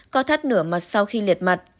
co thắt nửa mặt sau khi liệt mặt